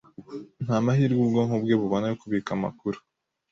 nta mahirwe ubwonko bwe bubona yo kubika amakuru